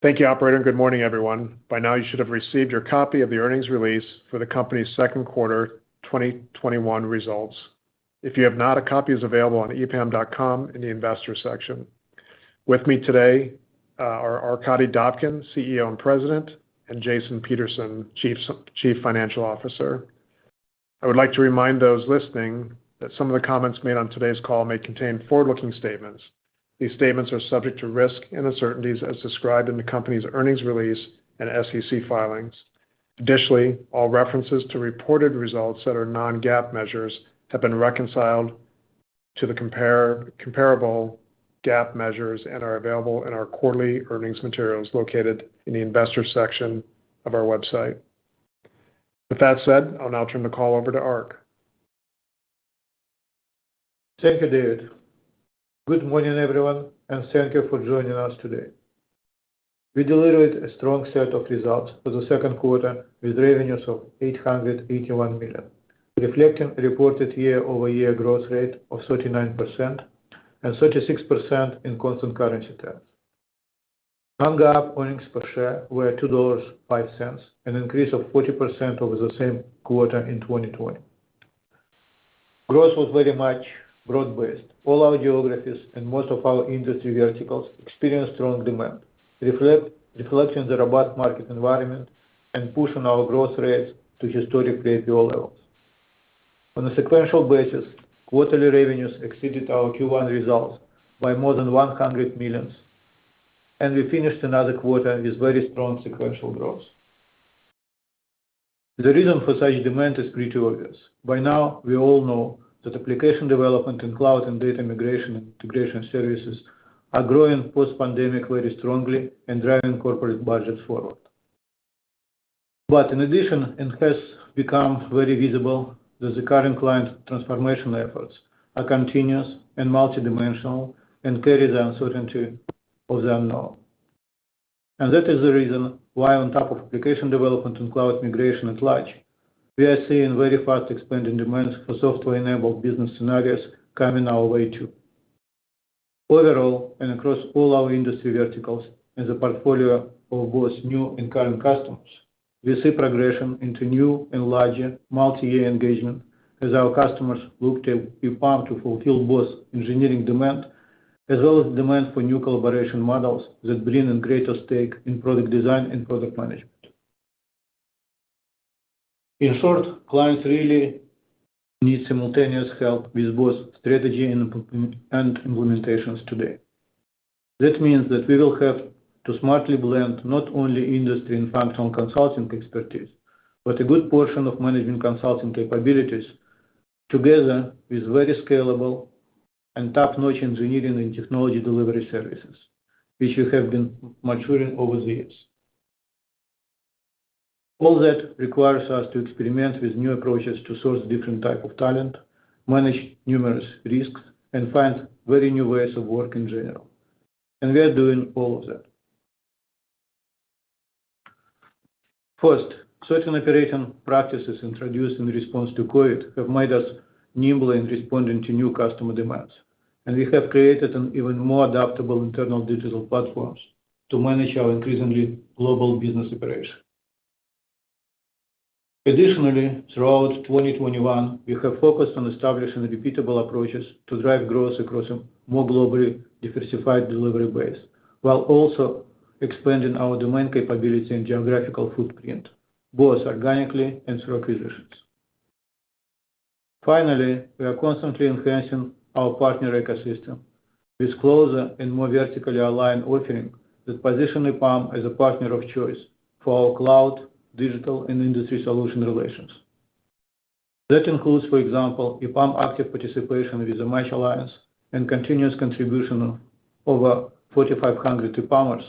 Thank you, Operator. Good morning, everyone. By now, you should have received your copy of the earnings release for the company's second quarter 2021 results. If you have not, a copy is available on epam.com in the investors section. With me today are Arkadiy Dobkin, CEO and President, and Jason Peterson, Chief Financial Officer. I would like to remind those listening that some of the comments made on today's call may contain forward-looking statements. These statements are subject to risks and uncertainties as described in the company's earnings release and SEC filings. Additionally, all references to reported results that are non-GAAP measures have been reconciled to the compare-- comparable GAAP measures and are available in our quarterly earnings materials located in the investors section of our website. With that said, I'll now turn the call over to Ark. Thank you, David. Good morning, everyone, thank you for joining us today. We delivered a strong set of results for the second quarter with revenues of $881 million, reflecting reported year-over-year growth rate of 39% and 36% in constant currency terms. Non-GAAP earnings per share were $2.05, an increase of 40% over the same quarter in 2020. Growth was very much broad-based. All our geographies and most of our industry verticals experienced strong demand, reflecting the robust market environment and pushing our growth rates to historically high levels. On a sequential basis, quarterly revenues exceeded our Q1 results by more than $100 million, we finished another quarter with very strong sequential growth. The reason for such demand is pretty obvious. By now, we all know that application development in cloud and data integration services are growing post-pandemic very strongly and driving corporate budgets forward. In addition, it has become very visible that the current client transformation efforts are continuous and multidimensional and carry the uncertainty of the unknown. That is the reason why on top of application development and cloud migration at large, we are seeing very fast expanding demands for software-enabled business scenarios coming our way, too. Overall, across all our industry verticals as a portfolio for both new and current customers, we see progression into new and larger multi-year engagement as our customers look to EPAM to fulfill both engineering demand as well as demand for new collaboration models that bring in greater stake in product design and product management. In short, clients really need simultaneous help with both strategy and implementations today. That means that we will have to smartly blend not only industry and functional consulting expertise, but a good portion of management consulting capabilities together with very scalable and top-notch engineering and technology delivery services, which we have been maturing over the years. All that requires us to experiment with new approaches to source different type of talent, manage numerous risks, and find very new ways of work in general. We are doing all of that. First, certain operation practices introduced in response to COVID have made us nimbler in responding to new customer demands, and we have created an even more adaptable internal digital platforms to manage our increasingly global business operation. Additionally, throughout 2021, we have focused on establishing repeatable approaches to drive growth across a more globally diversified delivery base, while also expanding our domain capability and geographical footprint, both organically and through acquisitions. Finally, we are constantly enhancing our partner ecosystem with closer and more vertically aligned offering that position EPAM as a partner of choice for our cloud, digital, and industry solution relations. That includes, for example, EPAM active participation with the MACH Alliance and continuous contribution of over 4,500 EPAMers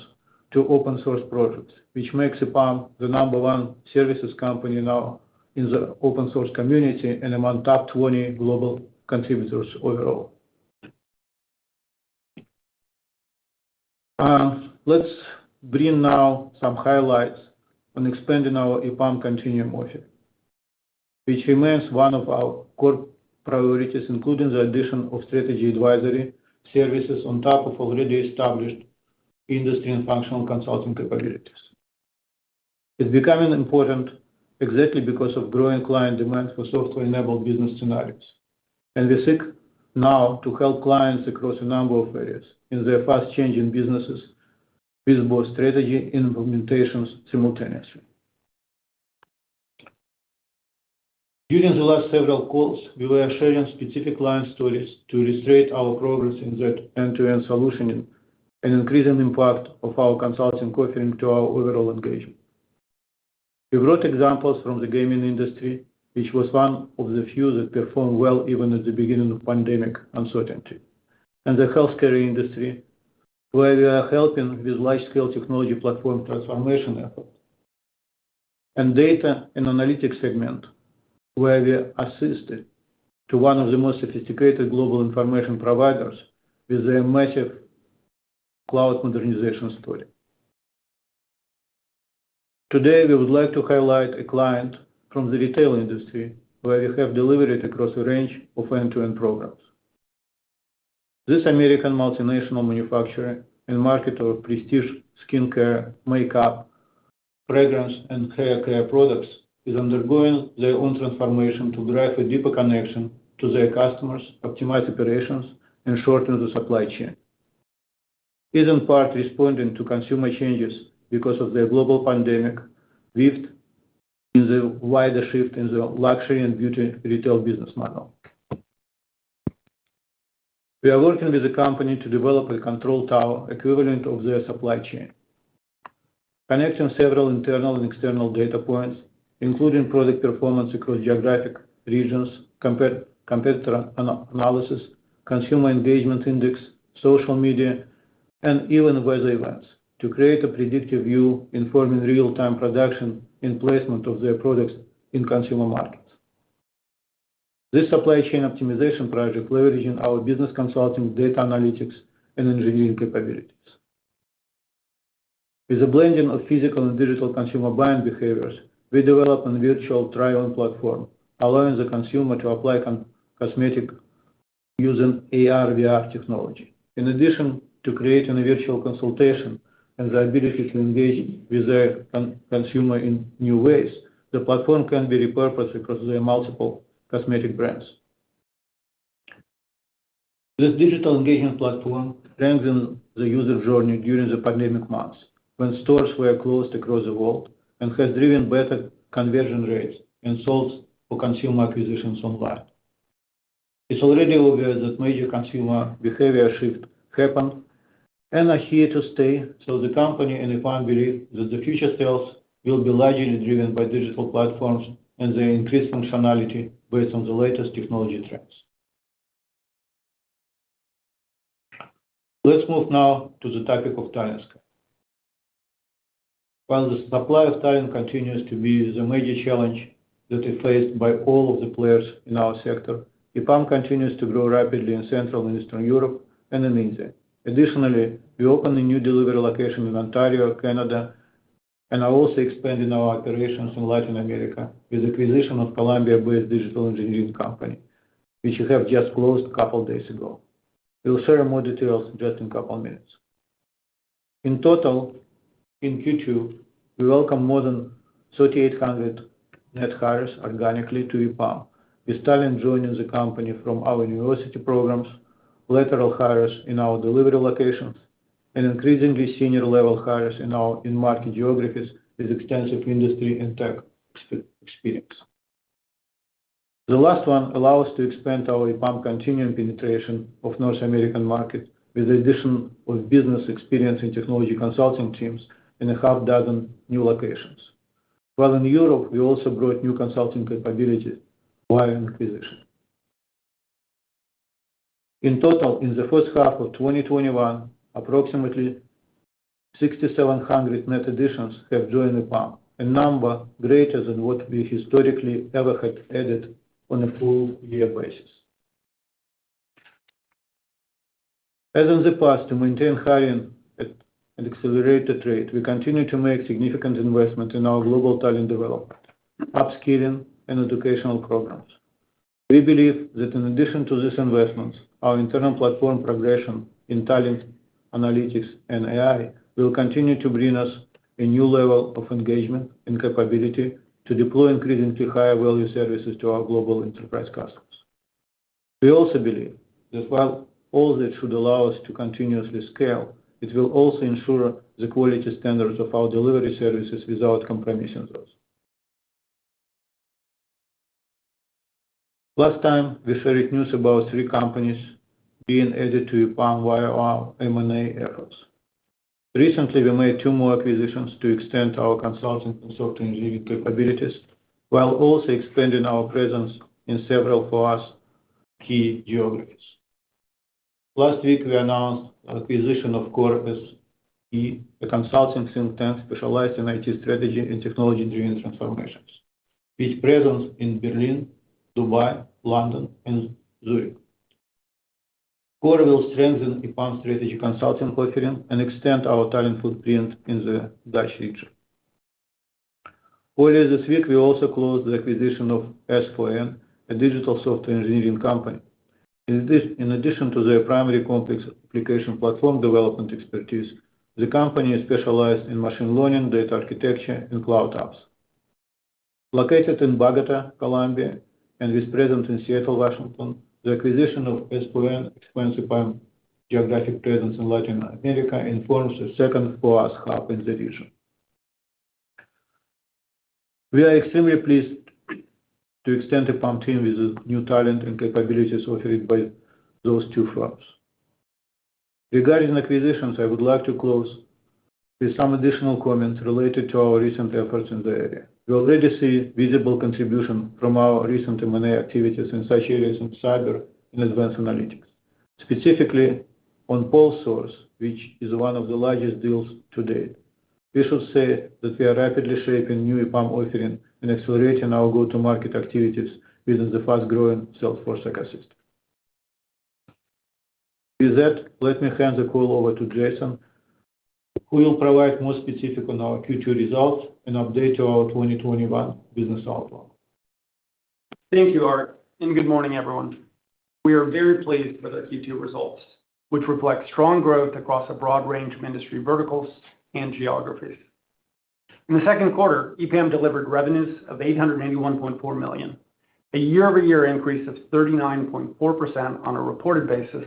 to open source projects, which makes EPAM the number one services company now in the open source community and among top 20 global contributors overall. Let's bring now some highlights on expanding our EPAM Continuum, [inaudible] which remains one of our core priorities, including the addition of strategy advisory services on top of already established industry and functional consulting capabilities. It's becoming important exactly because of growing client demand for software-enabled business scenarios. We seek now to help clients across a number of areas in their fast-changing businesses with both strategy and implementations simultaneously. During the last several calls, we were sharing specific client stories to illustrate our progress in that end-to-end solutioning, and increasing impact of our consulting offering to our overall engagement. We brought examples from the gaming industry, which was one of the few that performed well even at the beginning of pandemic uncertainty, and the healthcare industry, where we are helping with large-scale technology platform transformation effort, and data and analytics segment, where we assisted to one of the most sophisticated global information providers with their massive cloud modernization story. Today, we would like to highlight a client from the retail industry where we have delivered across a range of end-to-end programs. This American multinational manufacturer and marketer of prestige skincare, makeup, fragrance, and hair care products is undergoing their own transformation to drive a deeper connection to their customers, optimize operations, and shorten the supply chain. It is in part responding to consumer changes because of the global pandemic, and the wider shift in the luxury and beauty retail business model. We are working with the company to develop a control tower equivalent of their supply chain, connecting several internal and external data points, including product performance across geographic regions, competitor analysis, consumer engagement index, social media, and even weather events to create a predictive view informing real-time production and placement of their products in consumer markets. This supply chain optimization project leverages our business consulting, data analytics, and engineering capabilities. With a blending of physical and digital consumer buying behaviors, we develop a virtual try-on platform, allowing the consumer to apply cosmetic using AR/VR technology. In addition to create a virtual consultation and the ability to engage with the consumer in new ways, the platform can be repurposed across their multiple cosmetic brands. This digital engagement platform strengthened the user journey during the pandemic months when stores were closed across the world and has driven better conversion rates and solid consumer acquisitions online. It's already obvious that major consumer behavior shift happened and are here to stay. The company and EPAM believe that the future sales will be largely driven by digital platforms and their increased functionality based on the latest technology trends. Let's move now to the topic of talent. While the supply of talent continues to be the major challenge that is faced by all of the players in our sector, EPAM continues to grow rapidly in Central and Eastern Europe, and in India. Additionally, we opened a new delivery location in Ontario, Canada, and are also expanding our operations in Latin America with the acquisition of Colombia-based digital engineering company, which we have just closed a couple of days ago. We will share more details just in a couple of minutes. In total, in Q2, we welcome more than 3,800 net hires organically to EPAM, with talent joining the company from our university programs, lateral hires in our delivery locations, and increasingly senior-level hires in our in-market geographies with extensive industry and tech experience. The last one allow us to expand our EPAM Continuum penetration of North American market with the addition of business experience in technology consulting teams in a half dozen new locations. While in Europe, we also brought new consulting capabilities via acquisition. In total, in the first half of 2021, approximately 6,700 net additions have joined EPAM, a number greater than what we historically ever had added on a full year basis. As in the past, to maintain hiring at an accelerated rate, we continue to make significant investment in our global talent development, upskilling, and educational programs. We believe that in addition to these investments, our internal platform progression in talent analytics and AI will continue to bring us a new level of engagement and capability to deploy increasingly higher value services to our global enterprise customers. We also believe that while all that should allow us to continuously scale, it will also ensure the quality standards of our delivery services without compromising those. Last time, we shared news about three companies being added to EPAM via our M&A efforts. Recently, we made two more acquisitions to extend our consulting, software engineering capabilities, while also expanding our presence in several, for us, key geographies. Last week, we announced acquisition of CORE SE, a consulting firm specialized in IT strategy and technology-driven transformations, with presence in Berlin, Dubai, London, and Zurich. CORE will strengthen EPAM strategy consulting offering and extend our talent footprint in the DACH region. Earlier this week, we also closed the acquisition of S4N, a digital software engineering company. In addition to their primary complex application platform development expertise, the company is specialized in machine learning, data architecture, and cloud apps. Located in Bogotá, Colombia, and with presence in Seattle, Washington, the acquisition of S4N expands EPAM geographic presence in Latin America and forms a second, for us, hub in the region. We are extremely pleased to extend EPAM team with the new talent and capabilities offered by those two firms. Regarding acquisitions, I would like to close with some additional comments related to our recent efforts in the area. We already see visible contribution from our recent M&A activities in such areas in cyber and advanced analytics, specifically on PolSource, which is one of the largest deals to date. We should say that we are rapidly shaping new EPAM offering and accelerating our go-to-market activities within the fast-growing Salesforce ecosystem. With that, let me hand the call over to Jason, who will provide more specific on our Q2 results and update our 2021 business outlook. Thank you, Ark. Good morning, everyone. We are very pleased with our Q2 results, which reflect strong growth across a broad range of industry verticals and geographies. In the second quarter, EPAM delivered revenues of $881.4 million, a year-over-year increase of 39.4% on a reported basis,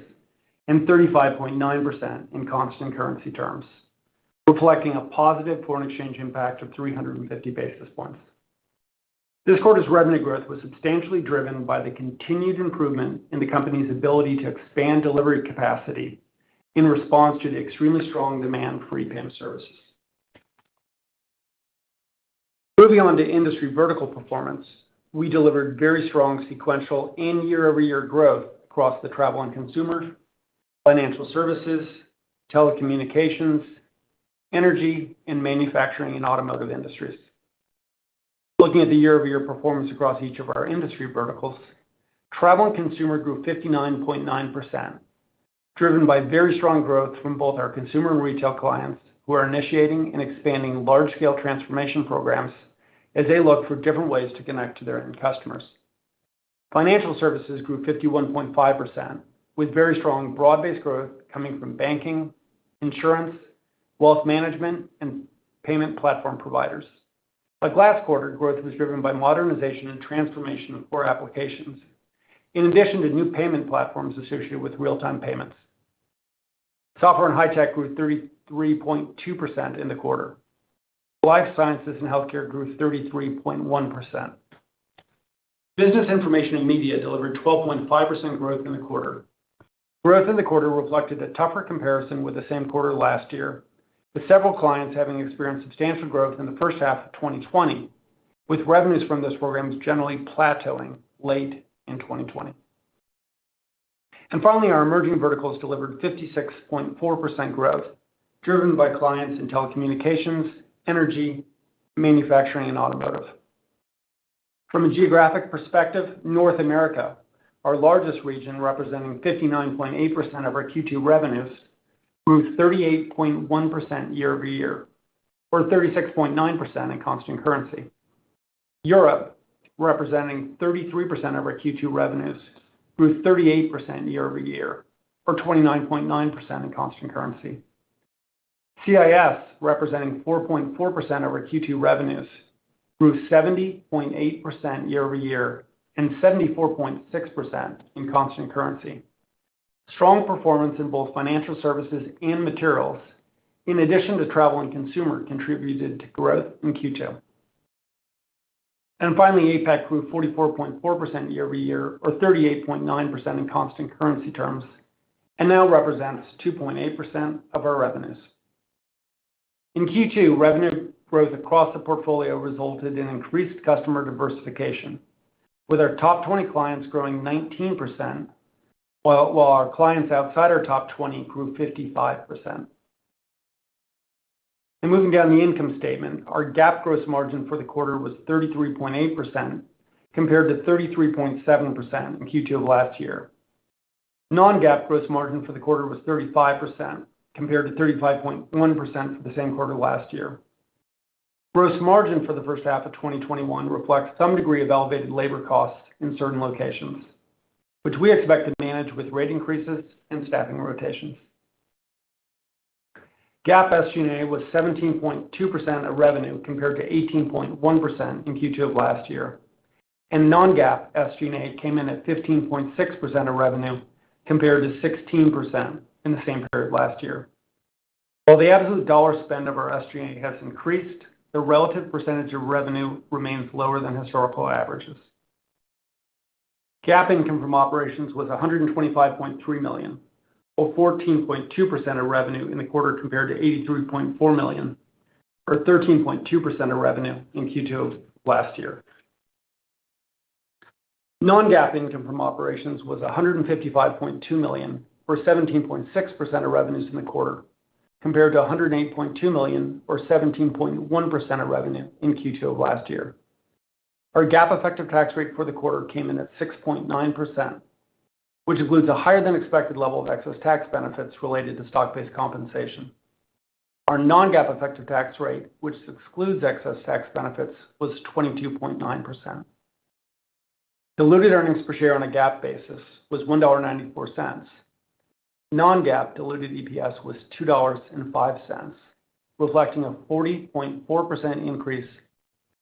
and 35.9% in constant currency terms, reflecting a positive foreign exchange impact of 350 basis points. This quarter's revenue growth was substantially driven by the continued improvement in the company's ability to expand delivery capacity in response to the extremely strong demand for EPAM services. Moving on to industry vertical performance, we delivered very strong sequential and year-over-year growth across the travel and consumer, financial services, telecommunications, energy, and manufacturing and automotive industries. Looking at the year-over-year performance across each of our industry verticals, travel and consumer grew 59.9%, driven by very strong growth from both our consumer and retail clients, who are initiating and expanding large-scale transformation programs as they look for different ways to connect to their end customers. Financial services grew 51.5%, with very strong broad-based growth coming from banking, insurance, wealth management, and payment platform providers. Like last quarter, growth was driven by modernization and transformation of core applications, in addition to new payment platforms associated with real-time payments. Software and high tech grew 33.2% in the quarter. Life sciences and healthcare grew 33.1%. Business information and media delivered 12.5% growth in the quarter. Growth in the quarter reflected a tougher comparison with the same quarter last year, with several clients having experienced substantial growth in the first half of 2020, with revenues from those programs generally plateauing late in 2020. Finally, our emerging verticals delivered 56.4% growth, driven by clients in telecommunications, energy, manufacturing, and automotive. From a geographic perspective, North America, our largest region representing 59.8% of our Q2 revenues, grew 38.1% year-over-year, or 36.9% in constant currency. Europe, representing 33% of our Q2 revenues, grew 38% year-over-year, or 29.9% in constant currency. CIS, representing 4.4% of our Q2 revenues, grew 70.8% year-over-year, and 74.6% in constant currency. Strong performance in both financial services and materials, in addition to travel and consumer, contributed to growth in Q2. Finally, APAC grew 44.4% year-over-year, or 38.9% in constant currency terms, and now represents 2.8% of our revenues. In Q2, revenue growth across the portfolio resulted in increased customer diversification, with our top 20 clients growing 19%, while our clients outside our top 20 grew 55%. Moving down the income statement, our GAAP gross margin for the quarter was 33.8%, compared to 33.7% in Q2 of last year. Non-GAAP gross margin for the quarter was 35%, compared to 35.1% for the same quarter last year. Gross margin for the first half of 2021 reflects some degree of elevated labor costs in certain locations, which we expect to manage with rate increases and staffing rotations. GAAP SG&A was 17.2% of revenue compared to 18.1% in Q2 of last year, and non-GAAP SG&A came in at 15.6% of revenue compared to 16% in the same period last year. While the absolute dollar spend of our SG&A has increased, the relative percentage of revenue remains lower than historical averages. GAAP income from operations was $125.3 million, or 14.2% of revenue in the quarter, compared to $83.4 million, or 13.2% of revenue in Q2 of last year. Non-GAAP income from operations was $155.2 million, or 17.6% of revenues in the quarter, compared to $108.2 million, or 17.1% of revenue in Q2 of last year. Our GAAP effective tax rate for the quarter came in at 6.9%, which includes a higher than expected level of excess tax benefits related to stock-based compensation. Our non-GAAP effective tax rate, which excludes excess tax benefits, was 22.9%. Diluted earnings per share on a GAAP basis was $1.94. Non-GAAP diluted EPS was $2.05, reflecting a 40.4% increase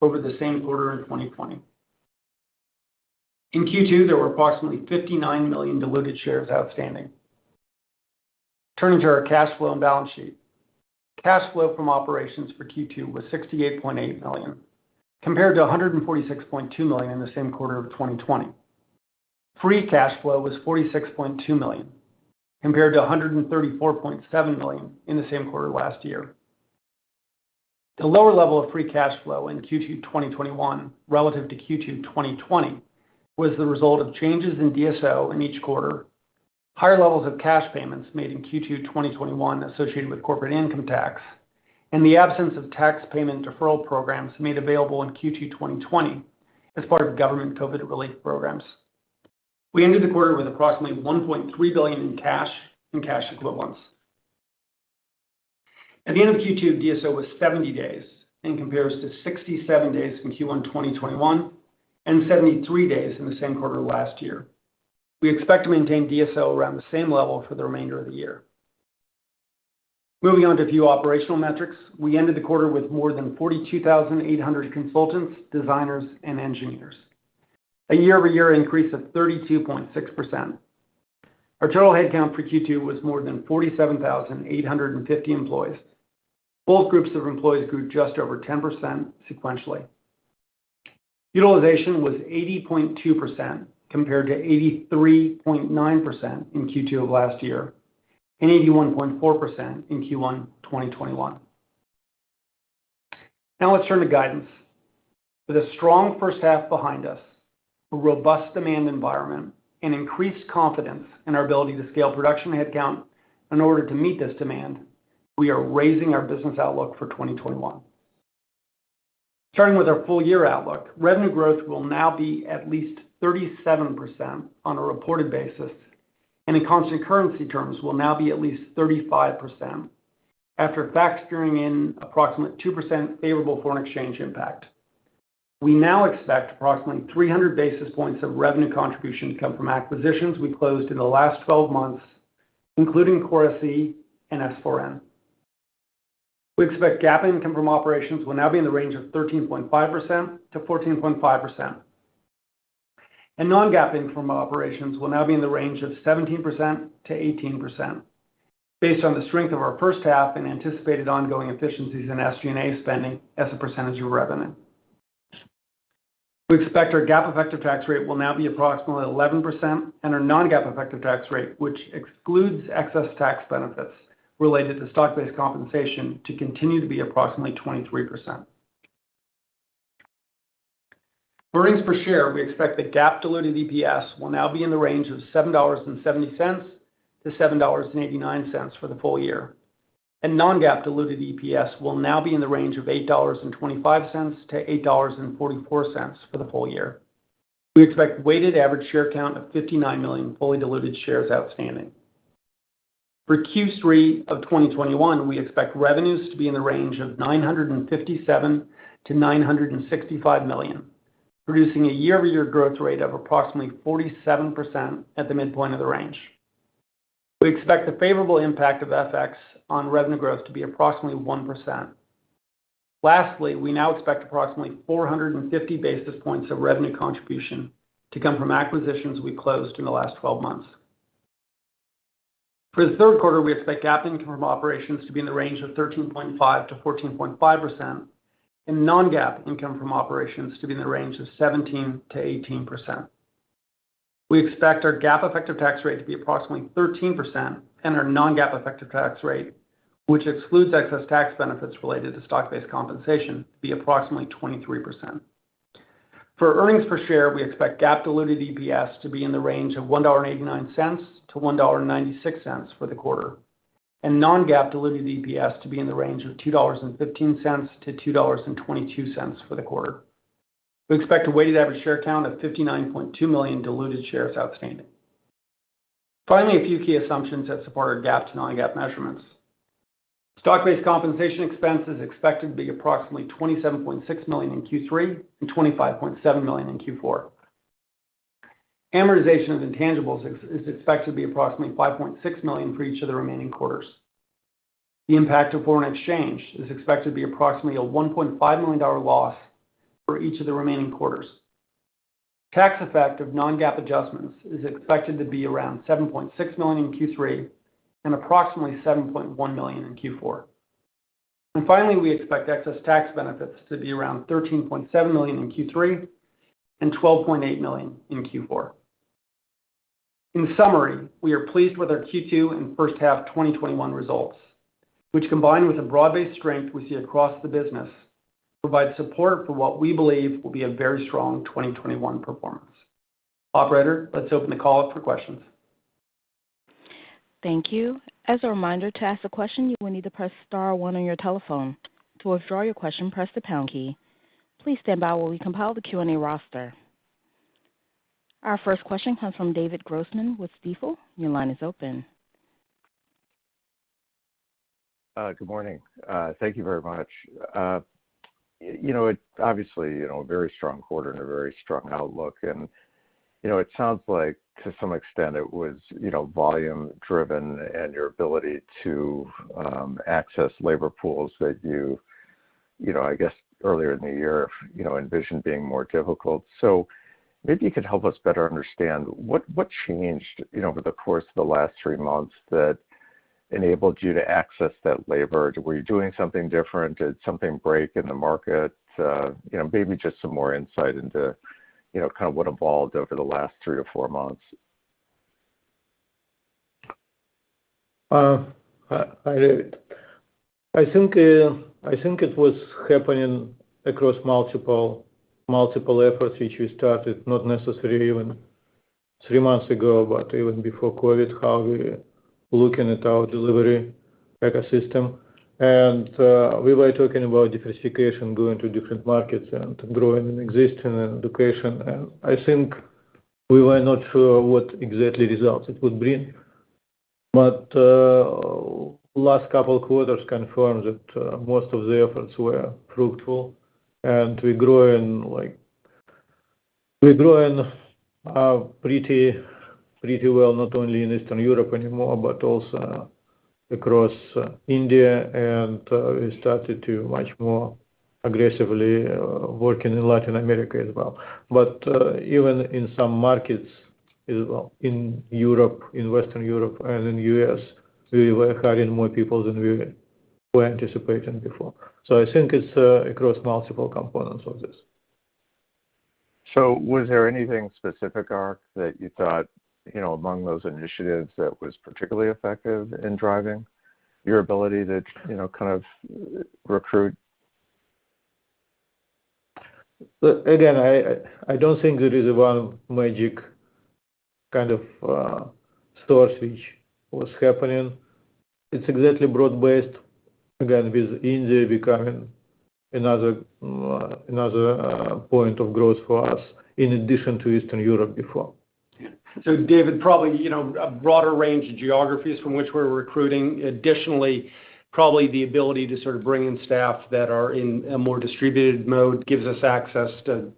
over the same quarter in 2020. In Q2, there were approximately 59 million diluted shares outstanding. Turning to our cash flow and balance sheet. Cash flow from operations for Q2 was $68.8 million, compared to $146.2 million in the same quarter of 2020. Free cash flow was $46.2 million, compared to $134.7 million in the same quarter last year. The lower level of free cash flow in Q2 2021 relative to Q2 2020 was the result of changes in DSO in each quarter, higher levels of cash payments made in Q2 2021 associated with corporate income tax in the absence of tax payment deferral programs made available in Q2 2020 as part of government COVID relief programs. We ended the quarter with approximately $1.3 billion in cash and cash equivalents. At the end of Q2, DSO was 70 days and compares to 67 days in Q1 2021, and 73 days in the same quarter last year. We expect to maintain DSO around the same level for the remainder of the year. Moving on to a few operational metrics. We ended the quarter with more than 42,800 consultants, designers, and engineers, a year-over-year increase of 32.6%. Our total head count for Q2 was more than 47,850 employees. Both groups of employees grew just over 10% sequentially. Utilization was 80.2% compared to 83.9% in Q2 of last year, and 81.4% in Q1 2021. Let's turn to guidance. With a strong first half behind us, a robust demand environment, and increased confidence in our ability to scale production headcount in order to meet this demand, we are raising our business outlook for 2021. Starting with our full year outlook, revenue growth will now be at least 37% on a reported basis, and in constant currency terms will now be at least 35%, after factoring in approximately 2% favorable foreign exchange impact. We now expect approximately 300 basis points of revenue contribution to come from acquisitions we closed in the last 12 months, including CORE SE and S4N. We expect GAAP income from operations will now be in the range of 13.5%-14.5%. Non-GAAP income from operations will now be in the range of 17%-18%, based on the strength of our first half and anticipated ongoing efficiencies in SG&A spending as a percentage of revenue. We expect our GAAP effective tax rate will now be approximately 11%, and our non-GAAP effective tax rate, which excludes excess tax benefits related to stock-based compensation, to continue to be approximately 23%. For earnings per share, we expect that GAAP diluted EPS will now be in the range of $7.70-7.89 for the full year. Non-GAAP diluted EPS will now be in the range of $8.25-8.44 for the full year. We expect weighted average share count of 59 million fully diluted shares outstanding. For Q3 of 2021, we expect revenues to be in the range of $957 million-965 million, producing a year-over-year growth rate of approximately 47% at the midpoint of the range. We expect the favorable impact of FX on revenue growth to be approximately 1%. Lastly, we now expect approximately 450 basis points of revenue contribution to come from acquisitions we closed in the last 12 months. For the third quarter, we expect GAAP income from operations to be in the range of 13.5%-14.5%, and non-GAAP income from operations to be in the range of 17%-18%. We expect our GAAP effective tax rate to be approximately 13%, and our non-GAAP effective tax rate, which excludes excess tax benefits related to stock-based compensation, to be approximately 23%. For earnings per share, we expect GAAP diluted EPS to be in the range of $1.89-1.96 for the quarter, and non-GAAP diluted EPS to be in the range of $2.15-2.22 for the quarter. We expect a weighted average share count of 59.2 million diluted shares outstanding. Finally, a few key assumptions that support our GAAP to non-GAAP measurements. Stock-based compensation expense is expected to be approximately $27.6 million in Q3 and 25.7 million in Q4. Amortization of intangibles is expected to be approximately $5.6 million for each of the remaining quarters. The impact of foreign exchange is expected to be approximately a $1.5 million loss for each of the remaining quarters. Tax effect of non-GAAP adjustments is expected to be around $7.6 million in Q3 and approximately 7.1 million in Q4. Finally, we expect excess tax benefits to be around $13.7 million in Q3 and 12.8 million in Q4. In summary, we are pleased with our Q2 and first half 2021 results, which combined with the broad-based strength we see across the business, provides support for what we believe will be a very strong 2021 performance. Operator, let's open the call up for questions. Thank you. As a reminder, to ask a question, you will need to press star one on your telephone. To withdraw your question, press the pound key. Please stand by while we compile the Q&A roster. Our first question comes from David Grossman with Stifel. Your line is open. Good morning. Thank you very much. Obviously, a very strong quarter and a very strong outlook. It sounds like to some extent it was volume driven and your ability to access labor pools that you, I guess earlier in the year envisioned being more difficult. Maybe you could help us better understand what changed over the course of the last three months that enabled you to access that labor. Were you doing something different? Did something break in the market? Maybe just some more insight into kind of what evolved over the last three or four months. Hi, David. I think it was happening across multiple efforts which we started, not necessarily even three months ago, but even before COVID, how we're looking at our delivery ecosystem. We were talking about diversification, going to different markets, and growing and existing in education. And I think we were not sure what exactly results it would bring. But last couple quarters confirmed that most of the efforts were fruitful, and we're growing pretty well, not only in Eastern Europe anymore, but also across India. We started to much more aggressively work in Latin America as well. Even in some markets as well, in Europe, in Western Europe, and in U.S., we were hiring more people than we were anticipating before. I think it's across multiple components of this. Was there anything specific, Ark, that you thought among those initiatives that was particularly effective in driving your ability to recruit? I don't think there is one magic source which was happening. It's exactly broad-based. With India becoming another point of growth for us in addition to Eastern Europe before. David, probably a broader range of geographies from which we're recruiting. Additionally, probably the ability to sort of bring in staff that are in a more distributed mode gives us access to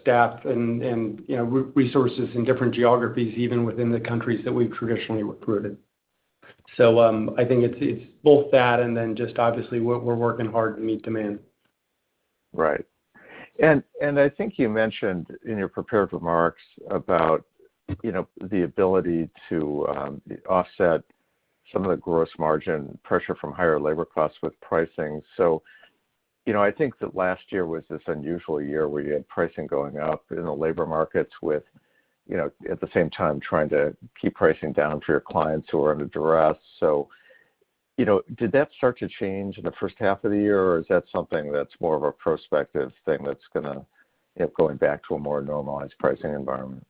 staff and resources in different geographies, even within the countries that we've traditionally recruited. So I think it's both that, just obviously we're working hard to meet demand. Right. And I think you mentioned in your prepared remarks about, you know, the ability to offset some of the gross margin pressure from higher labor costs with pricing. I think that last year was this unusual year where you had pricing going up in the labor markets with, at the same time, trying to keep pricing down for your clients who are in a duress. Did that start to change in the first half of the year? Or is that something that's more of a prospective thing that's going to going back to a more normalized pricing environment?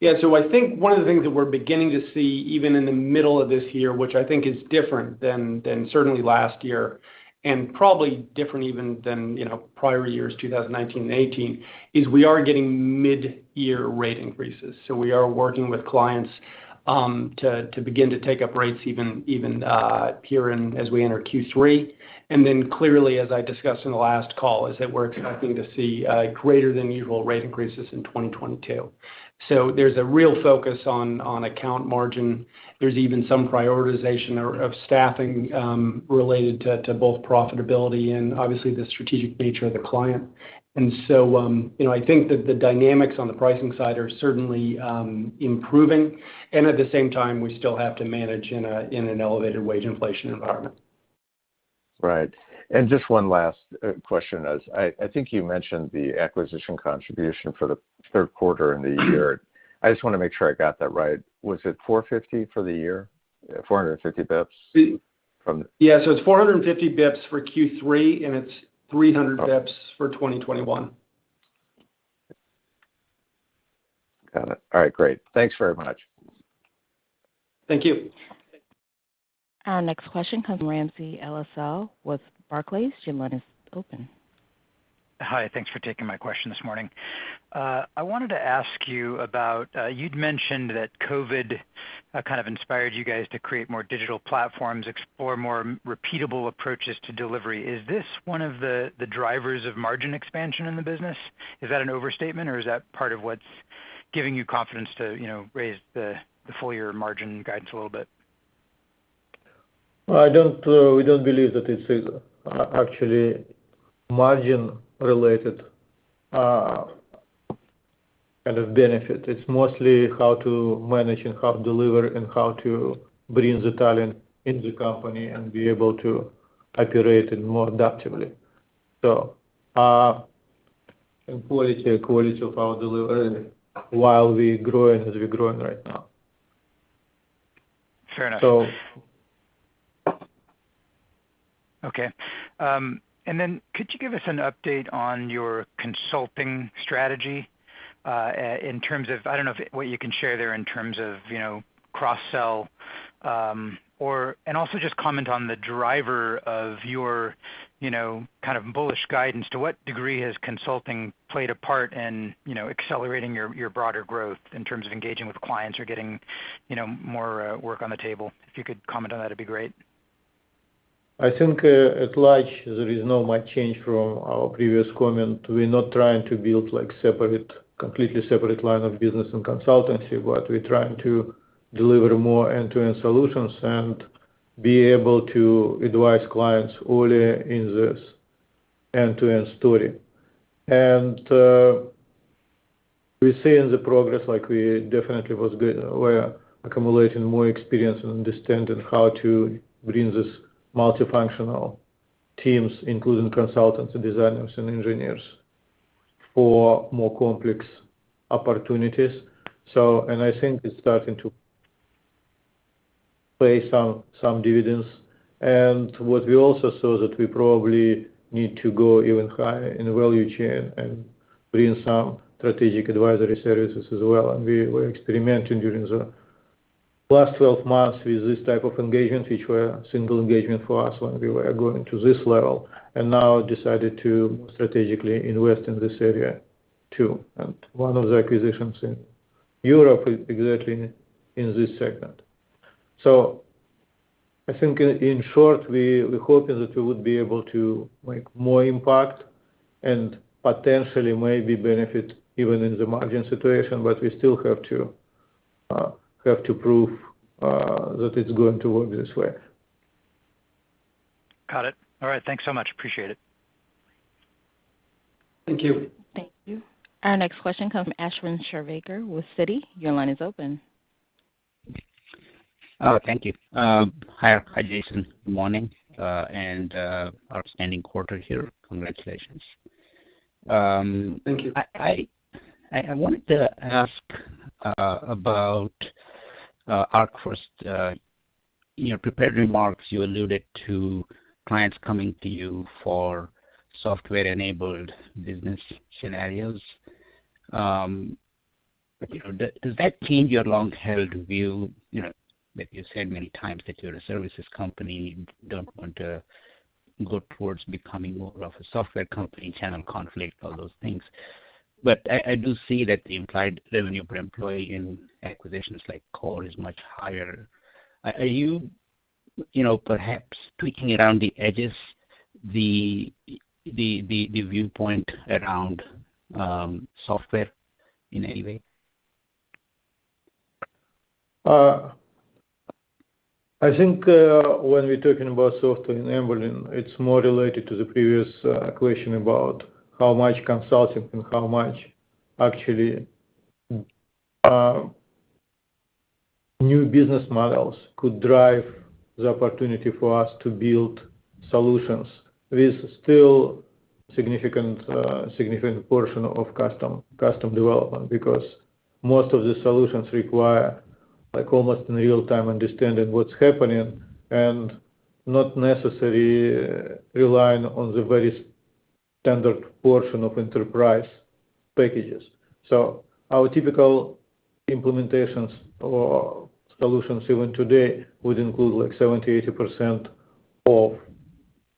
Yeah. So I think one of the things that we're beginning to see, even in the middle of this year, which I think is different than certainly last year, and probably different even than prior years, 2019, 2018, is we are getting mid-year rate increases. We are working with clients to begin to take up rates even here as we enter Q3. And then clearly, as I discussed in the last call, is that we're expecting to see greater than usual rate increases in 2022. There's a real focus on account margin. There's even some prioritization of staffing related to both profitability and obviously the strategic nature of the client. And so, you know, I think that the dynamics on the pricing side are certainly improving. At the same time, we still have to manage in an elevated wage inflation environment. Right. Just one last question, as I think you mentioned the acquisition contribution for the third quarter and the year. I just want to make sure I got that right. Was it 450 for the year, 450 basis points? Yeah. It's 450 basis points for Q3, and it's 300 basis points for 2021. Got it. All right, great. Thanks very much. Thank you. Our next question comes from Ramsey El-Assal with Barclays. Your line is open. Hi, thanks for taking my question this morning. I wanted to ask you about, you'd mentioned that COVID kind of inspired you guys to create more digital platforms, explore more repeatable approaches to delivery. Is this one of the drivers of margin expansion in the business? Is that an overstatement or is that part of what's giving you confidence to raise the full-year margin guidance a little bit? We don't believe that it's actually margin-related kind of benefit. It's mostly how to manage and how to deliver, and how to bring the talent in the company and be able to operate it more adaptively. So, employee [inaudible] of our delivery while we're growing as we're growing right now. Fair enough. So. Okay. Could you give us an update on your consulting strategy, in terms of, I don't know, what you can share there in terms of cross-sell. Or, and also just comment on the driver of your kind of bullish guidance. To what degree has consulting played a part in accelerating your broader growth in terms of engaging with clients or getting more work on the table? If you could comment on that, it'd be great. I think at large, there is not much change from our previous comment. We're not trying to build completely separate line of business and consultancy, but we're trying to deliver more end-to-end solutions and be able to advise clients early in this end-to-end story. We see in the progress, we definitely were accumulating more experience and understanding how to bring these multifunctional teams, including consultants and designers and engineers, for more complex opportunities. I think it's starting to pay some dividends. What we also saw, that we probably need to go even higher in the value chain and bring some strategic advisory services as well. We were experimenting during the last 12 months with this type of engagements, which were a single engagement for us when we were going to this level, and now decided to strategically invest in this area, too. One of the acquisitions in Europe is exactly in this segment. So I think in short, we're hoping that we would be able to make more impact and potentially maybe benefit even in the margin situation, but we still have to prove that it's going to work this way. Got it. All right. Thanks so much. Appreciate it. Thank you. Thank you. Our next question comes from Ashwin Shirvaikar with Citi. Your line is open. Oh, thank you. Hi, Jason. Good morning, and outstanding quarter here. Congratulations. Thank you. I wanted to ask about Ark First. In your prepared remarks, you alluded to clients coming to you for software-enabled business scenarios. Does that change your long-held view that you said many times that you're a services company, don't want to go towards becoming more of a software company, channel conflict, all those things. I do see that the implied revenue per employee in acquisitions like CORE SE is much higher. Are you perhaps tweaking around the edges the viewpoint around software in any way? I think when we're talking about software enabling, it's more related to the previous question about how much consulting and how much actually new business models could drive the opportunity for us to build solutions with still significant portion of custom development. Most of the solutions require almost in real time understanding what's happening and not necessarily relying on the very standard portion of enterprise packages. Our typical implementations or solutions even today would include 70%-80% of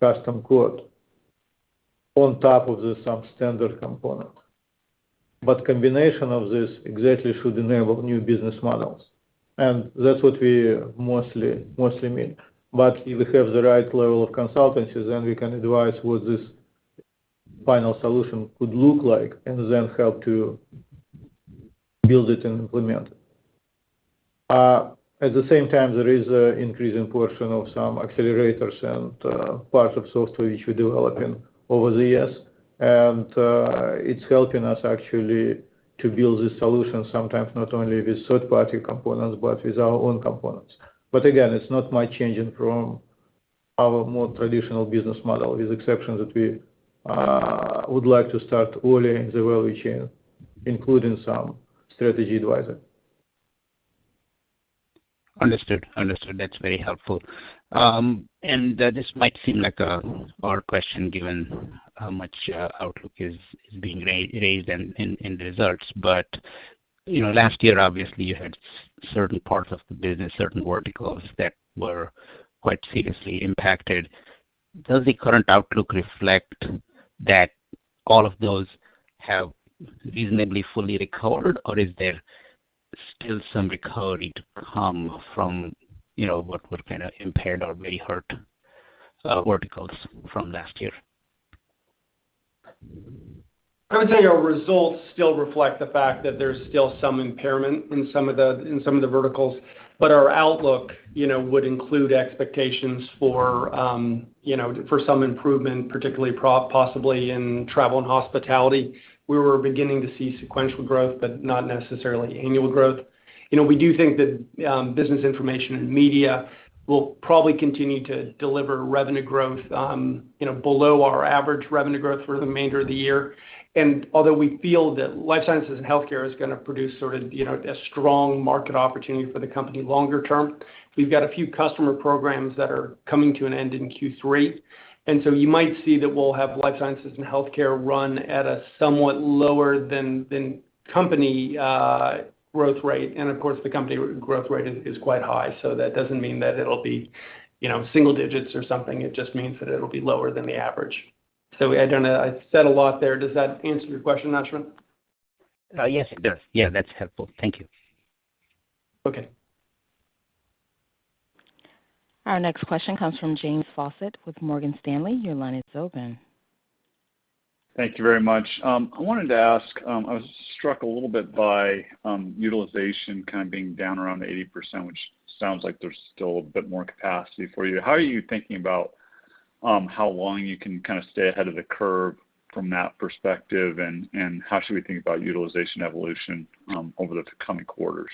custom code on top of the standard component. Combination of this exactly should enable new business models, and that's what we mostly mean. If we have the right level of consultancies, then we can advise what this final solution could look like and then help to build it and implement it. At the same time, there is an increasing portion of some accelerators and parts of software which we're developing over the years, and it's helping us actually to build this solution sometimes not only with third-party components but with our own components. But again, it's not much changing from our more traditional business model, with exception that we would like to start early in the value chain, including some strategy advisor. Understood. That's very helpful. This might seem like an odd question given how much outlook is being raised in the results. Last year, obviously you had certain parts of the business, certain verticals that were quite seriously impacted. Does the current outlook reflect that all of those have reasonably fully recovered, or is there still some recovery to come from what were kind of impaired or really hurt verticals from last year? I would say our results still reflect the fact that there's still some impairment in some of the verticals, but our outlook would include expectations for, you know, some improvement, particularly possibly in travel and hospitality. We were beginning to see sequential growth, but not necessarily annual growth. And we do think that business information and media will probably continue to deliver revenue growth below our average revenue growth for the remainder of the year. Although we feel that life sciences and healthcare is going to produce sort of a strong market opportunity for the company longer term, we've got a few customer programs that are coming to an end in Q3. So you might see that we'll have life sciences and healthcare run at a somewhat lower than company growth rate. And of course, the company growth rate is quite high, so that doesn't mean that it'll be single digits or something. It just means that it'll be lower than the average. So I don't know. I said a lot there. Does that answer your question, Ashwin? Yes, it does. Yeah, that's helpful. Thank you. Okay. Our next question comes from James Faucette with Morgan Stanley. Your line is open. Thank you very much. I wanted to ask, I was struck a little bit by utilization kind of being down around 80%, which sounds like there's still a bit more capacity for you. How are you thinking about how long you can stay ahead of the curve from that perspective, and how should we think about utilization evolution over the coming quarters?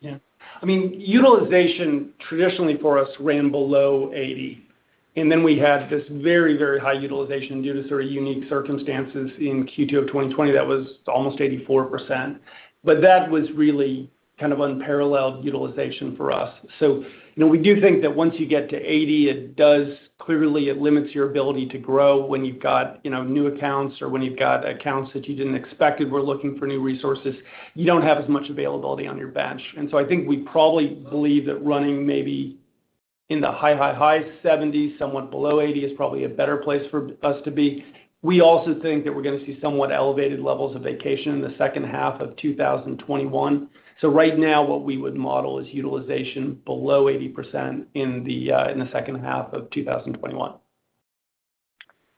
Yeah. I mean, utilization traditionally for us ran below 80%. And we had this very high utilization due to sort of unique circumstances in Q2 of 2020, that was almost 84%. That was really kind of unparalleled utilization for us. So we do think that once you get to 80%, it does clearly limit your ability to grow when you've got new accounts or when you've got accounts that you didn't expect, and we're looking for new resources. You don't have as much availability on your bench. I think we probably believe that running maybe in the high 70%, somewhat below 80%, is probably a better place for us to be. We also think that we're going to see somewhat elevated levels of vacation in the second half of 2021. So right now, what we would model is utilization below 80% in the second half of 2021.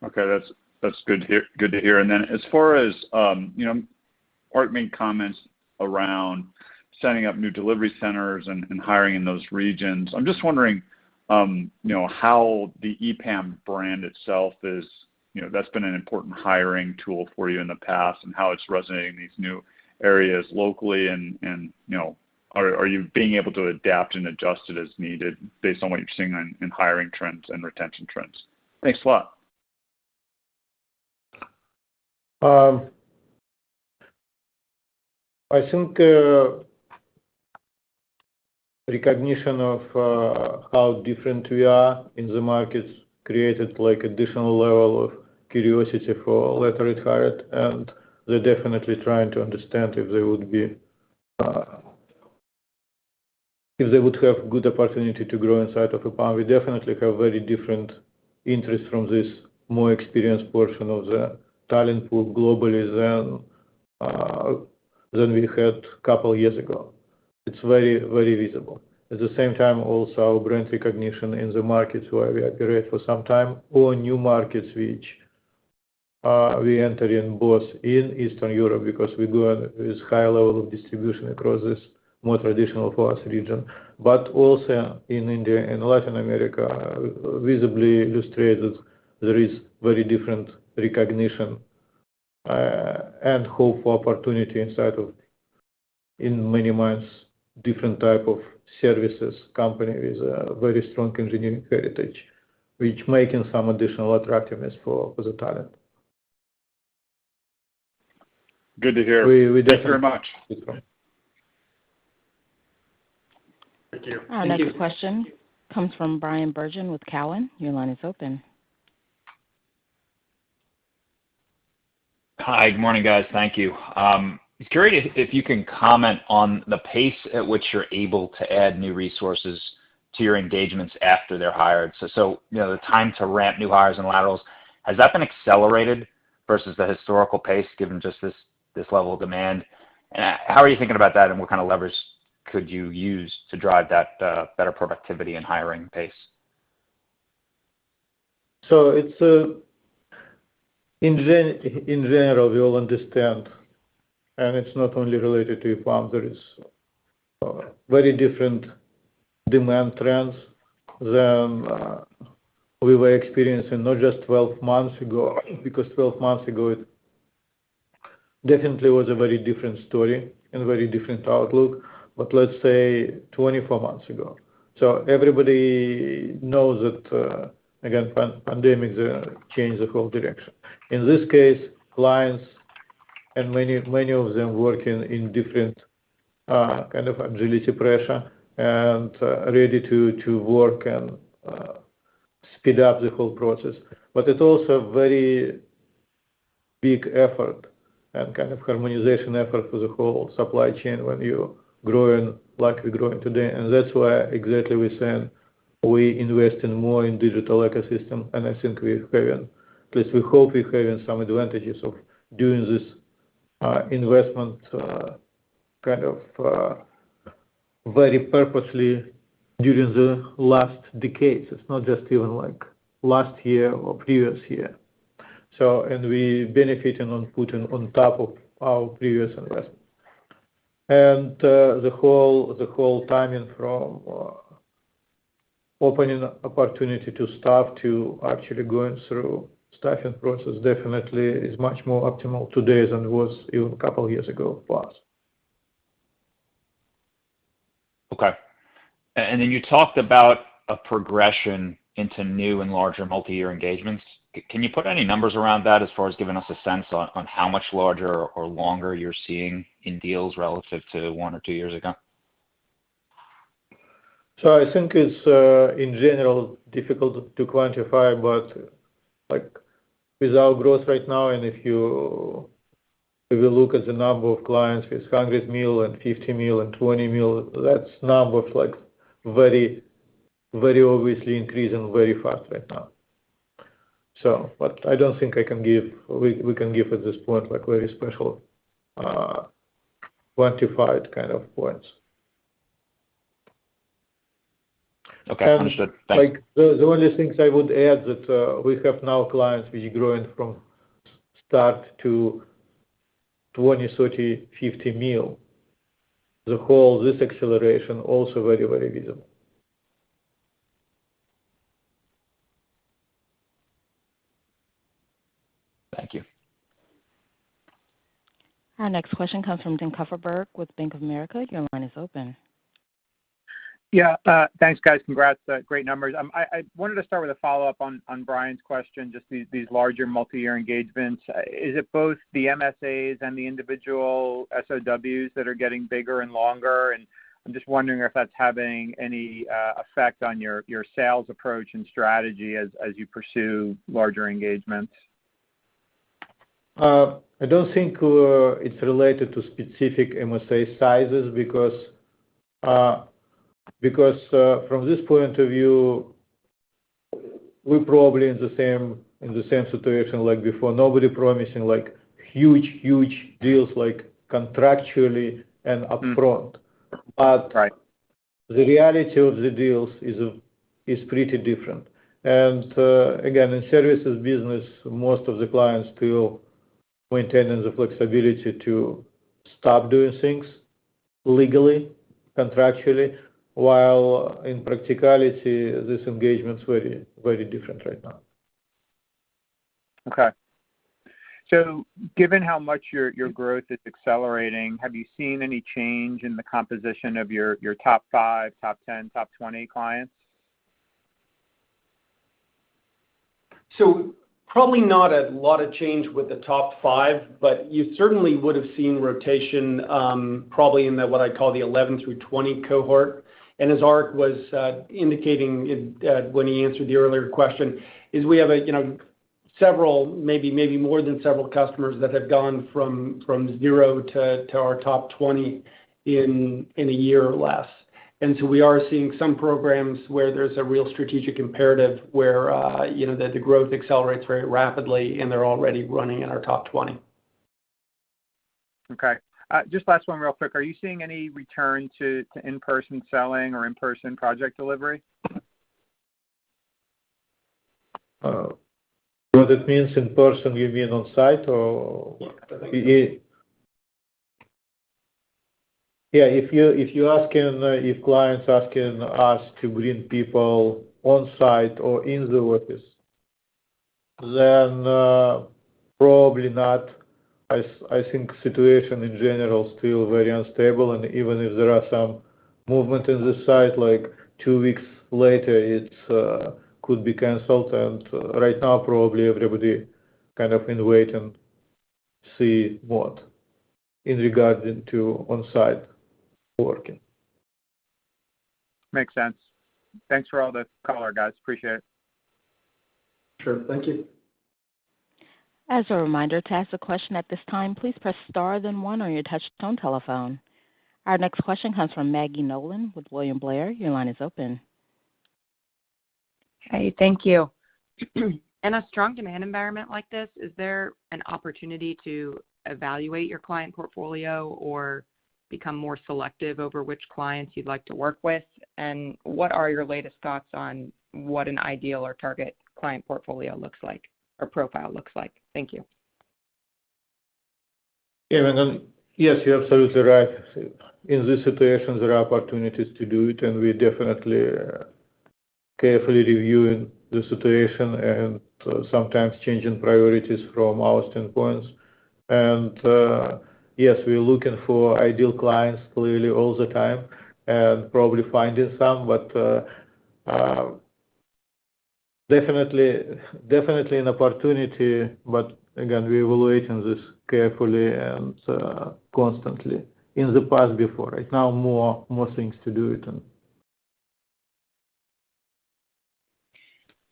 Okay. That's good to hear. As far as Ark made comments around setting up new delivery centers and hiring in those regions. I'm just wondering how the EPAM brand itself has been an important hiring tool for you in the past, and how it's resonating in these new areas locally, and are you being able to adapt and adjust it as needed based on what you're seeing in hiring trends and retention trends? Thanks a lot. I think recognition of how different we are in the markets created an additional level of curiosity for later hired, and they're definitely trying to understand if they would have good opportunity to grow inside of EPAM. We definitely have very different interests from this more experienced portion of the talent pool globally than we had a couple of years ago. It's very visible. At the same time, also brand recognition in the markets where we operate for some time, or new markets which we enter in both in Eastern Europe, because we grew with high level of distribution across this more traditional for us region. Also in India and Latin America, visibly illustrated there is very different recognition and hope for opportunity inside of, in many minds, different type of services company with a very strong engineering heritage, which making some additional attractiveness for the talent. Good to hear. We definitely. Thanks very much. No problem. Thank you. Our next question comes from Bryan Bergin with Cowen. Your line is open. Hi, good morning, guys. Thank you. I was curious if you can comment on the pace at which you're able to add new resources to your engagements after they're hired? So, you know, time to ramp new hires and laterals, has that been accelerated versus the historical pace, given just this level of demand? How are you thinking about that, and what kind of levers could you use to drive that better productivity and hiring pace? In general, we all understand, and it's not only related to EPAM, there is very different demand trends than we were experiencing, not just 12 months ago, because 12 months ago it definitely was a very different story and a very different outlook, but let's say 24 months ago. Everybody knows that, again, pandemic changed the whole direction. In this case, clients, and many of them working in different kind of agility pressure, and ready to work and speed up the whole process. It also very big effort and kind of harmonization effort for the whole supply chain when you're growing like we're growing today. That's why exactly we saying we invest in more in digital ecosystem, and I think we are carrying, at least we hope we are carrying some advantages of doing this investment kind of very purposely during the last decades. It's not just even like last year or previous year. We benefiting on putting on top of our previous investment. The whole.. The whole timing from opening opportunity to staff to actually going through staffing process definitely is much more optimal today than it was even a couple of years ago plus. Okay. And you talked about a progression into new and larger multi-year engagements. Can you put any numbers around that as far as giving us a sense on how much larger or longer you're seeing in deals relative to one or two years ago? I think it's, in general, difficult to quantify, but with our growth right now, and if you will look at the number of clients with $100 million, and 50 million, and $20 million, that's numbers very obviously increasing very fast right now. So I don't think we can give at this point very special quantified kind of points. Okay. Understood. Thanks. The only things I would add that we have now clients which growing from start to $20 million, 30 million, $50 million. The whole this acceleration also very visible. Thank you. Our next question comes from Jason Kupferberg with Bank of America. Your line is open. Yeah. Thanks, guys. Congrats. Great numbers. I wanted to start with a follow-up on Bryan's question, just these larger multi-year engagements. Is it both the MSAs and the individual SOWs that are getting bigger and longer? I'm just wondering if that's having any effect on your sales approach and strategy as you pursue larger engagements. I don't think it's related to specific MSA sizes, because from this point of view, we're probably in the same situation like before. Nobody promising huge deals contractually and upfront. Right. The reality of the deals is pretty different. Again, in services business, most of the clients still maintaining the flexibility to stop doing things legally, contractually, while in practicality, this engagement's very different right now. Okay. Given how much your growth is accelerating, have you seen any change in the composition of your top five, top 10, top 20 clients? Probably not a lot of change with the top five, but you certainly would've seen rotation, probably in what I call the 11-20 cohort. As Ark was indicating when he answered the earlier question, we have maybe more than several customers that have gone from zero to our top 20 in a year or less. And we are seeing some programs where there's a real strategic imperative where the growth accelerates very rapidly, and they're already running in our top 20. Okay. Just last one real quick. Are you seeing any return to in-person selling or in-person project delivery? What it means, in-person, you mean on site, or? [inaudible] Yeah. Yeah, if you.. If you ask can, if clients asking us to bring people on site or in the office, then probably not. I think situation in general still very unstable, and even if there are some movement in the site, two weeks later, it could be canceled. Right now, probably everybody kind of in wait and see what in regarding to on-site working. Makes sense. Thanks for all the color, guys. Appreciate it. Sure. Thank you. Our next question comes from Maggie Nolan with William Blair. Your line is open. Hey, thank you. In a strong demand environment like this, is there an opportunity to evaluate your client portfolio or become more selective over which clients you'd like to work with? What are your latest thoughts on what an ideal or target client portfolio looks like or profile looks like? Thank you. Yeah. Maggie, yes, you're absolutely right. In this situation, there are opportunities to do it, and we're definitely carefully reviewing the situation and sometimes changing priorities from our standpoints. Yes, we are looking for ideal clients clearly all the time and probably finding some, but definitely an opportunity. Again, we evaluating this carefully and constantly.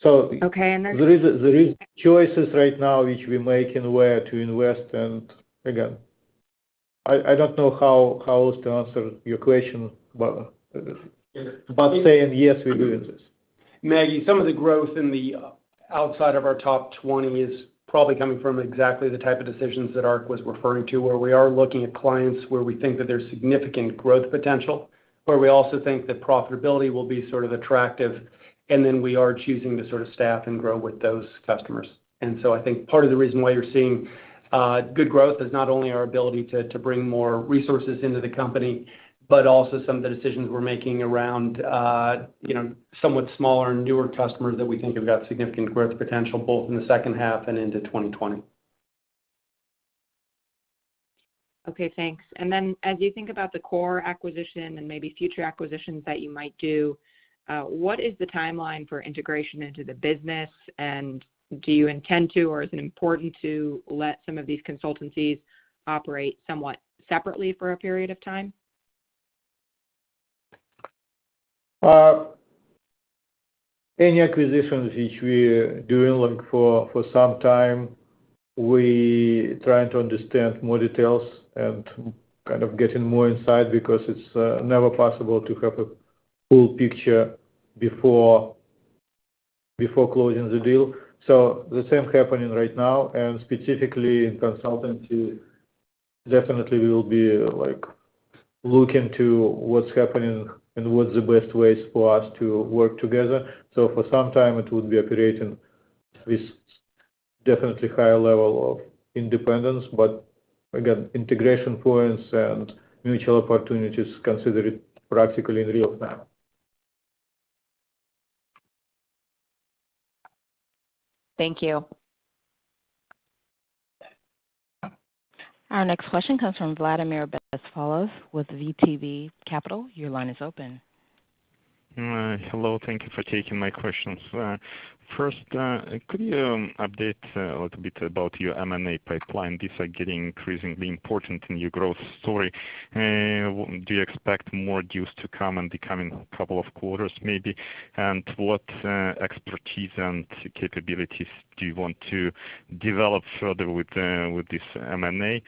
Okay. There is choices right now which we make in where to invest. Again, I don't know how else to answer your question but saying, yes, we're doing this. Maggie, some of the growth in the outside of our top 20 is probably coming from exactly the type of decisions that Ark was referring to, where we are looking at clients where we think that there's significant growth potential, where we also think that profitability will be sort of attractive, and then we are choosing to sort of staff and grow with those customers. I think part of the reason why you're seeing good growth is not only our ability to bring more resources into the company, but also some of the decisions we're making around somewhat smaller and newer customers that we think have got significant growth potential, both in the second half and into 2020. Okay, thanks. As you think about the CORE acquisition and maybe future acquisitions that you might do, what is the timeline for integration into the business? Do you intend to, or is it important to let some of these consultancies operate somewhat separately for a period of time? Any acquisitions which we are doing for some time, we try to understand more details and kind of getting more insight because it's never possible to have a full picture before closing the deal. The same happening right now, and specifically in consultancy, definitely we'll be looking to what's happening and what's the best ways for us to work together. For some time it would be operating with definitely higher level of independence, but again, integration points and mutual opportunities considered practically in real time. Thank you. Our next question comes from Vladimir Bespalov with VTB Capital. Your line is open. Hello. Thank you for taking my questions. First, could you update a little bit about your M&A pipeline? These are getting increasingly important in your growth story. Do you expect more deals to come in the coming couple of quarters, maybe? What expertise and capabilities do you want to develop further with this M&A?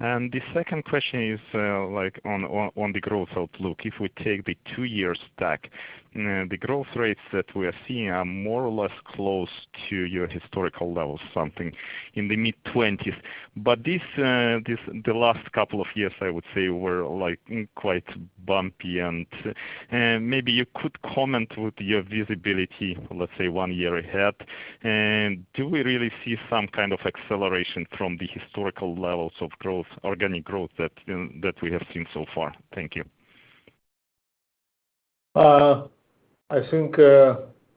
The second question is on the growth outlook. If we take the two-year stack, the growth rates that we are seeing are more or less close to your historical levels, something in the mid-20%. The last couple of years, I would say, were quite bumpy, and maybe you could comment with your visibility, let's say, one year ahead. Do we really see some kind of acceleration from the historical levels of growth, organic growth that we have seen so far? Thank you. I think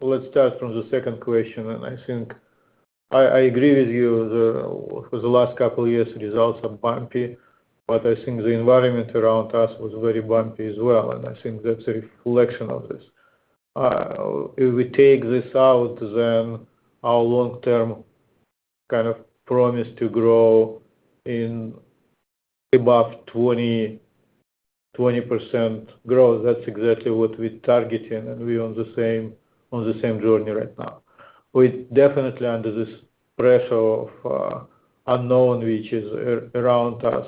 let's start from the second question. I think I agree with you, for the last couple of years, results are bumpy, but I think the environment around us was very bumpy as well, and I think that's a reflection of this. If we take this out, then our long-term kind of promise to grow in above 20% growth, that's exactly what we're targeting, and we're on the same journey right now. We're definitely under this pressure of unknown, which is around us,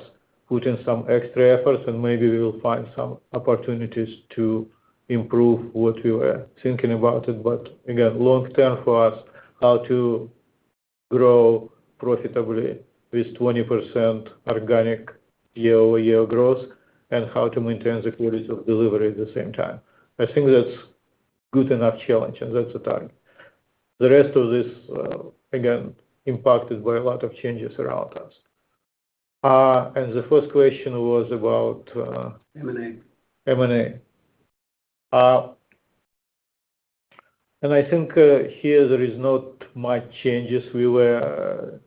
putting some extra efforts, and maybe we will find some opportunities to improve what we were thinking about it. Again, long term for us, how to grow profitably with 20% organic year-over-year growth and how to maintain the quality of delivery at the same time. I think that's good enough challenge, and that's the target. The rest of this, again, impacted by a lot of changes around us. The first question was about. M&A. M&A. I think here there is not much changes. We were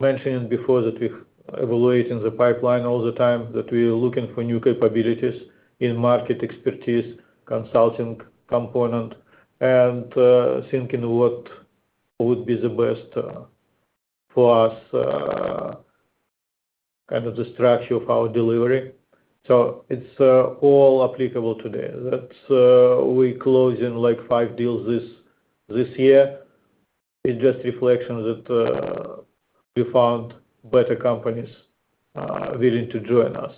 mentioning before that we're evaluating the pipeline all the time, that we are looking for new capabilities in market expertise, consulting component, and thinking what would be the best for us, kind of the structure of our delivery. It's all applicable today. We closing five deals this year, it's just reflection that we found better companies willing to join us.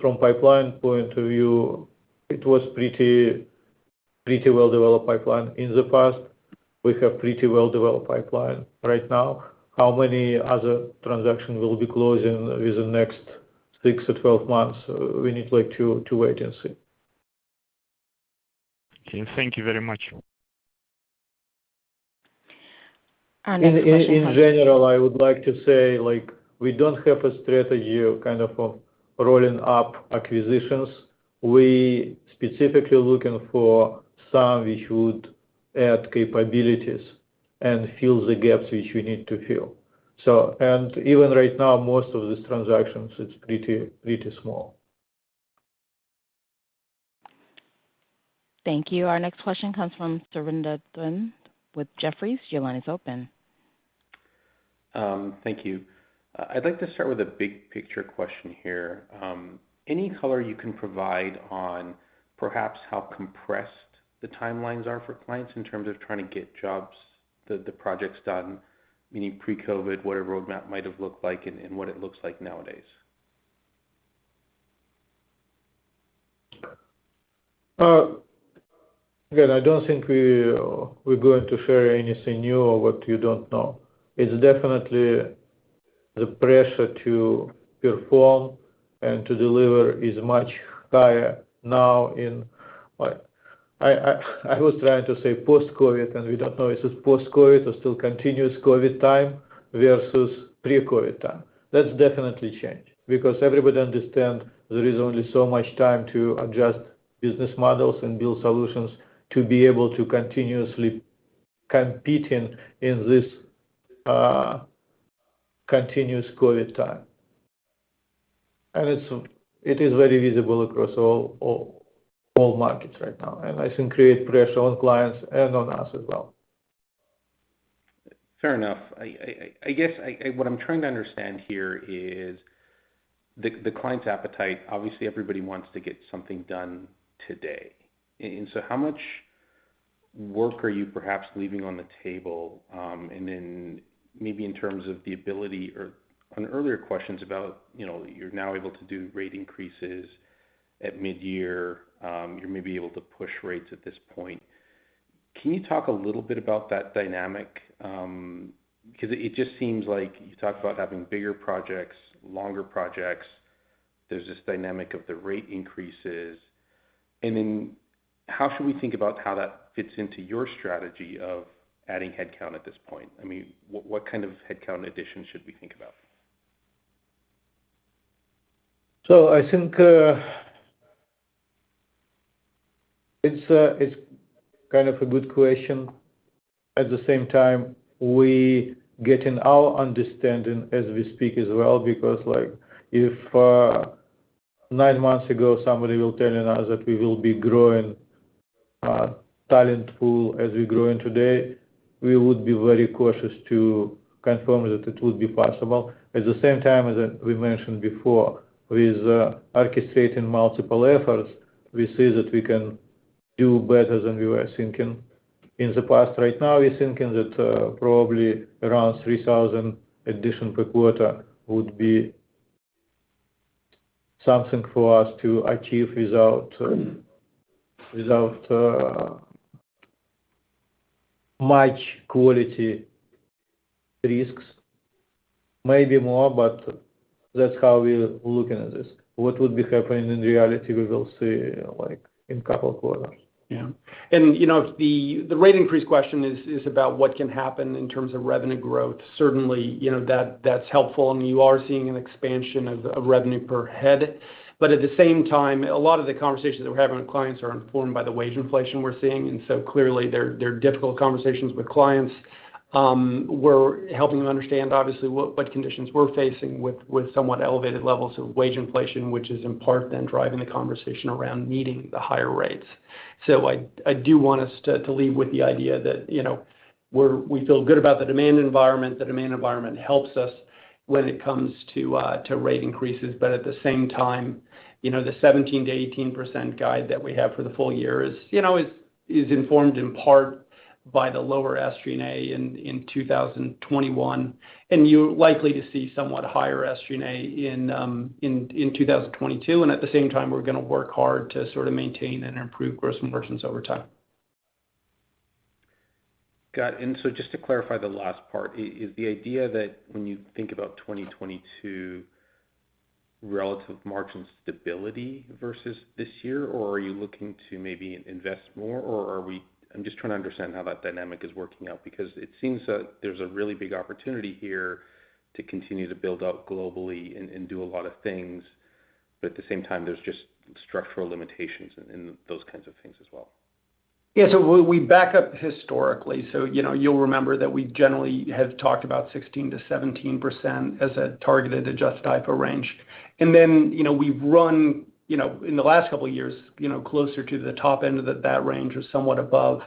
From pipeline point of view, it was pretty well-developed pipeline in the past. We have pretty well-developed pipeline right now. How many other transactions we'll be closing with the next six-12 months, we need to wait and see. Okay. Thank you very much. Our next question comes- In general, I would like to say we don't have a strategy of rolling up acquisitions. We specifically looking for some which would add capabilities and fill the gaps which we need to fill. Even right now, most of these transactions, it's pretty small. Thank you. Our next question comes from Surinder Thind with Jefferies. Your line is open. Thank you. I'd like to start with a big picture question here. Any color you can provide on perhaps how compressed the timelines are for clients in terms of trying to get jobs, the projects done, meaning pre-COVID, what a roadmap might have looked like and what it looks like nowadays? Again, I don't think we're going to share anything new or what you don't know. It's definitely the pressure to perform and to deliver is much higher now in post-COVID, and we don't know if it's post-COVID or still continuous COVID time versus pre-COVID time. That's definitely changed because everybody understand there is only so much time to adjust business models and build solutions to be able to continuously competing in this continuous COVID time. It is very visible across all markets right now, and I think create pressure on clients and on us as well. Fair enough. I guess what I'm trying to understand here is the client's appetite. Obviously, everybody wants to get something done today. How much work are you perhaps leaving on the table? And then maybe in terms of the ability or on earlier questions about, you know, you're now able to do rate increases at mid-year. You're maybe able to push rates at this point. Can you talk a little bit about that dynamic? Because it just seems like you talked about having bigger projects, longer projects. There's this dynamic of the rate increases. How should we think about how that fits into your strategy of adding headcount at this point? I mean, what kind of headcount addition should we think about? I think it's kind of a good question. At the same time, we're getting our understanding as we speak as well, because if nine months ago, somebody were telling us that we will be growing talent pool as we're growing today, we would be very cautious to confirm that it would be possible. At the same time, as we mentioned before, with orchestrating multiple efforts, we see that we can do better than we were thinking in the past. Right now, we're thinking that probably around 3,000 addition per quarter would be something for us to achieve without much quality risks. Maybe more, that's how we're looking at this. What would be happening in reality, we will see in two quarters. Yeah. And you know, the rate increase question is about what can happen in terms of revenue growth. Certainly, that's helpful, and you are seeing an expansion of revenue per head. At the same time, a lot of the conversations that we're having with clients are informed by the wage inflation we're seeing. Clearly, they're difficult conversations with clients. We're helping them understand, obviously, what conditions we're facing with somewhat elevated levels of wage inflation, which is in part then driving the conversation around needing the higher rates. I do want us to leave with the idea that we feel good about the demand environment. The demand environment helps us when it comes to rate increases. But at the same time, the 17%-18% guide that we have for the full year is informed in part by the lower SG&A in 2021. You're likely to see somewhat higher SG&A in 2022. At the same time, we're going to work hard to sort of maintain and improve gross margins over time. Got it. Just to clarify the last part, is the idea that when you think about 2022, relative margin stability versus this year, or are you looking to maybe invest more, I'm just trying to understand how that dynamic is working out, because it seems that there's a really big opportunity here to continue to build out globally and do a lot of things? At the same time, there's just structural limitations in those kinds of things as well. Yeah. We back up historically. You'll remember that we generally have talked about 16%-17% as a targeted adjusted IPO range. Then we've run in the last couple of years closer to the top end of that range or somewhat above.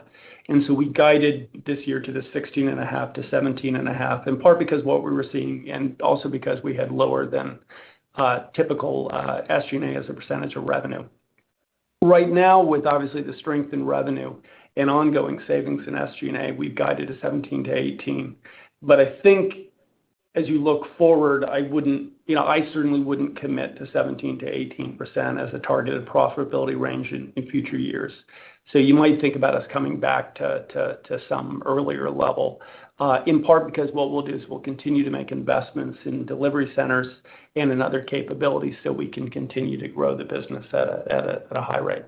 We guided this year to the 16.5%-17.5%, in part because what we were seeing, and also because we had lower than typical SG&A as a percentage of revenue. Right now, with obviously the strength in revenue and ongoing savings in SG&A, we've guided to 17%-18%. I think as you look forward, I certainly wouldn't commit to 17%-18% as a targeted profitability range in future years. You might think about us coming back to some earlier level, in part because what we'll do is we'll continue to make investments in delivery centers and in other capabilities so we can continue to grow the business at a high rate.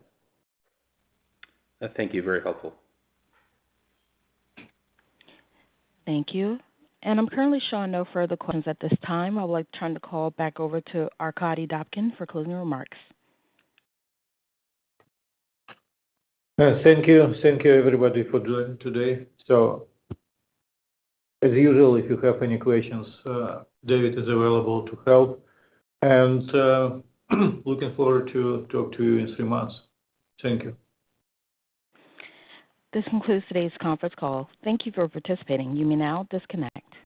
Thank you. Very helpful. Thank you. I'm currently showing no further questions at this time. I would like to turn the call back over to Arkadiy Dobkin for closing remarks. Thank you. Thank you, everybody, for joining today. As usual, if you have any questions, David is available to help. Looking forward to talk to you in three months. Thank you. This concludes today's conference call. Thank you for participating. You may now disconnect.